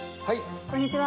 こんにちは。